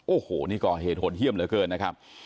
โอ้โหนี่ก่อเหตุโหดเยี่ยมเหลือเกินนะครับ